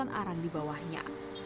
dan ada juga arang di bawahnya